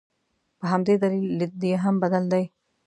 په همدې دلیل لید یې هم بدل دی.